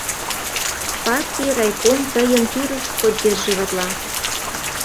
Партий райком тыйым тӱрыс поддерживатла.